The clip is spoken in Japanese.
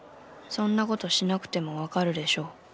そんな事しなくても分かるでしょう。